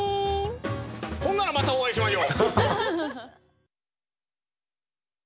ほんならまたお会いしましょう！